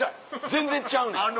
全然ちゃうねん。